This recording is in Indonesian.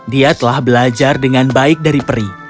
dia telah belajar dengan baik dari peri